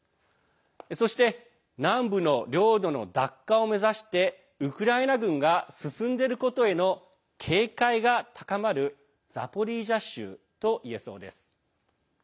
そして南部の領土の奪還を目指して、ウクライナ軍が進んでることへの警戒が高まるザポリージャ州とも言えそうです。